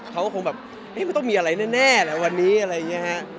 เขาก็คงแบบมันต้องมีอะไรแน่แหละวันนี้อะไรอย่างนี้ฮะ